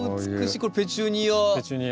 これペチュニア？